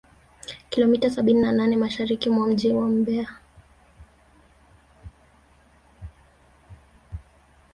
kilomita sabini na nane Mashariki mwa mji wa Mbeya